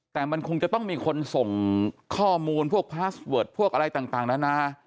แต่มันคงจะต้องมีคนส่งข้อมูลพวกพาสเวิร์ดพวกอะไรต่างนานา